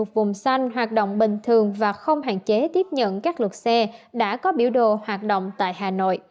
vùng xanh hoạt động bình thường và không hạn chế tiếp nhận các lượt xe đã có biểu đồ hoạt động tại hà nội